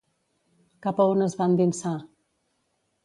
Cap a on es va endinsar?